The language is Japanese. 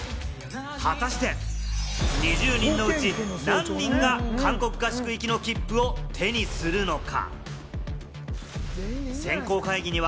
果たして２０人のうち何人が韓国合宿行きの切符を手にするのか？